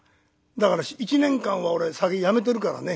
だから１年間は俺酒やめてるからね。